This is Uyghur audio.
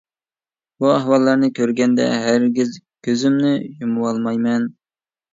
بۇ ئەھۋاللارنى كۆرگەندە ھەرگىز كۆزۈمنى يۇمۇۋالمايمەن.